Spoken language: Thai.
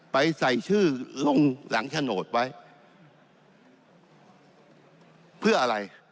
ใส่ชื่อลงหลังโฉนดไว้เพื่ออะไร